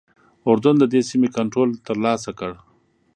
اردن ددې سیمې کنټرول ترلاسه کړ.